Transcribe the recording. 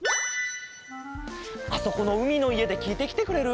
あそこのうみのいえできいてきてくれる？